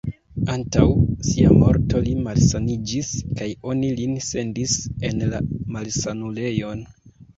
Antaŭ sia morto li malsaniĝis kaj oni lin sendis en la malsanulejon.